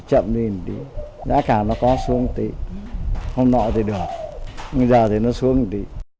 chậm đi một tí giá cả nó có xuống một tí không nọ thì được giờ thì nó xuống một tí